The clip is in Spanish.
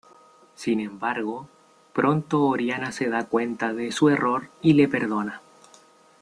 Sin embargo, pronto Oriana se da cuenta de su error y le perdona.